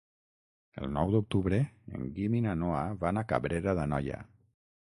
El nou d'octubre en Guim i na Noa van a Cabrera d'Anoia.